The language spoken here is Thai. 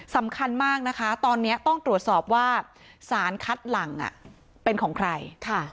สำคัญมากนะคะตอนนี้ต้องตรวจสอบว่าสารคัดหลังเป็นของใคร